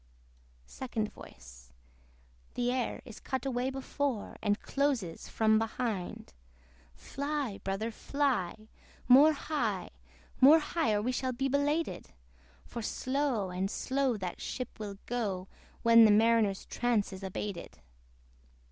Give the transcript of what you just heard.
SECOND VOICE. The air is cut away before, And closes from behind. Fly, brother, fly! more high, more high Or we shall be belated: For slow and slow that ship will go, When the Mariner's trance is abated.